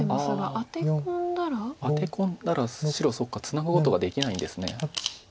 アテ込んだら白そっかツナぐことができないんです。